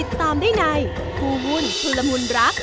ติดตามได้ในภูมิวุ่นธุระมุนรัก